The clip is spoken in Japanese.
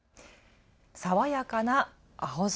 爽やかな青空。